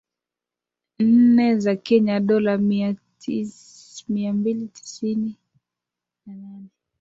nne za Kenya dola mia mbili tisini na nane